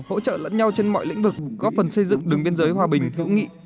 hỗ trợ lẫn nhau trên mọi lĩnh vực góp phần xây dựng đường biên giới hòa bình hữu nghị